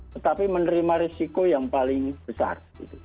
tetapi menerima risiko yang paling besar